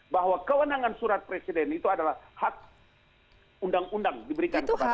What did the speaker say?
bahwa kewenangan surat presiden itu adalah hak undang undang diberikan kepada